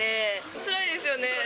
つらいですよね。